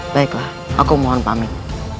baiklah aku mohon pamit